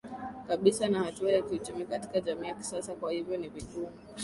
kabisa na hatua za kiuchumi katika jamii ya kisasa Kwa hiyo ni vigumu